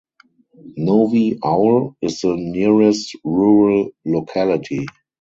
Novy Aul is the nearest rural locality.